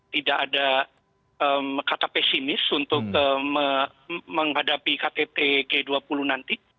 tidak ada kata pesimis untuk menghadapi ktt g dua puluh nanti